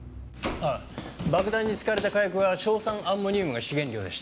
爆弾に使われた火薬は硝酸アンモニウムが主原料でした。